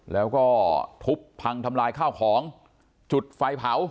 แล้วก็ทุบพังทำลายข้าวของจุดไฟเผา